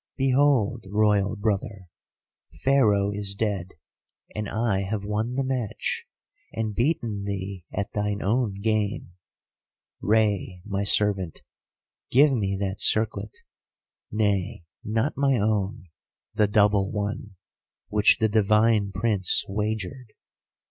'Behold, Royal brother, Pharaoh is dead, and I have won the match, and beaten thee at thine own game. Rei, my servant, give me that circlet; nay, not my own, the double one, which the divine Prince wagered.